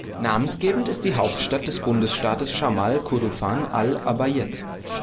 Namensgebend ist die Hauptstadt des Bundesstaates Schamal Kurdufan al-Ubayyid.